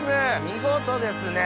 見事ですね。